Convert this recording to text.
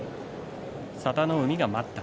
佐田の海が待った。